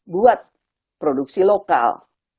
buat produksi lokal